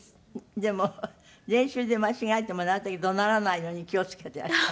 でも練習で間違えてもなるたけ怒鳴らないように気を付けていらっしゃる。